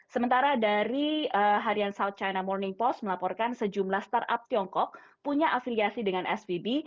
sementara dari harian south china morning post melaporkan sejumlah startup tiongkok punya afiliasi dengan svb